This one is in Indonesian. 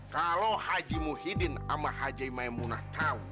kalau haji muhyiddin sama haji maimunah tau